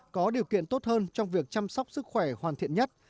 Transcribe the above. có điều kiện tốt hơn trong việc chăm sóc sức khỏe hoàn thiện nhất